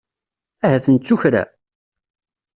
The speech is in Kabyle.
Ahat nettu kra?